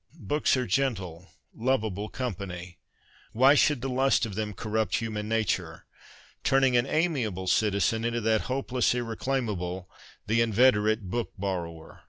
' Books are gentle, lovable company. Why should the lust of them corrupt human nature, turning an amiable citizen into that hopeless irreclaimable, the inveterate book borrower